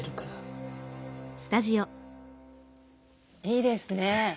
いいですね。